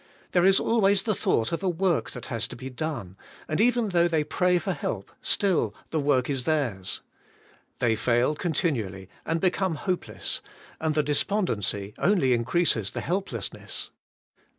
There is always the thought of a work that has to be done, and even though they pray for help, still the work is theirs. They fail continually, and become hopeless; and the despondency only increases the helplessness.